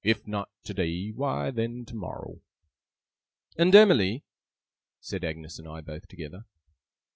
If not today, why then tomorrow.' 'And Emily?' said Agnes and I, both together.